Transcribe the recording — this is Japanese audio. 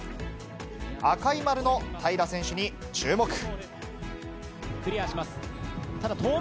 赤い丸の平良選手に注目。